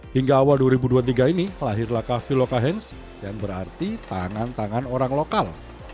hingga awal dua ribu dua puluh tiga ini lahirlah kafe loka hands yang berarti tangan tangan orang lokal